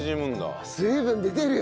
水分出てるよ。